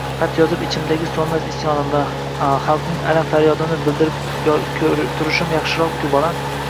xat yozib ichimdagi so’nmas isyonimni, xalqimning alam-faryodini bildirib turishim yaxshiroq-ku, bolam!